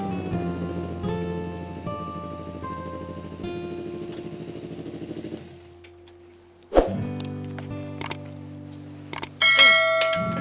terima kasih wak